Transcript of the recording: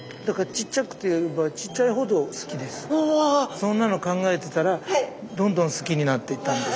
そんなの考えてたらどんどん好きになっていったんです。